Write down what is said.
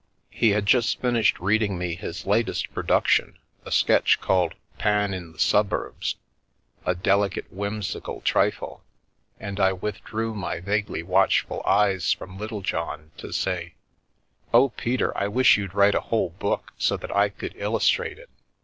He had just finished reading me his latest production, a sketch called " Pan in the Suburbs "— a delicate, whimsical trifle — and I withdrew my vaguely watchful eyes from Littlejohn to say: " Oh, Peter, I wish you'd write a whole book so that I could illustrate it!